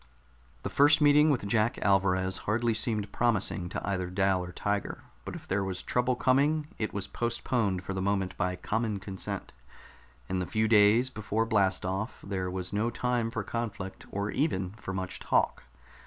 The first meeting with Jack Alvarez hardly seemed promising to either Dal or Tiger, but if there was trouble coming, it was postponed for the moment by common consent. In the few days before blast off there was no time for conflict, or even for much talk.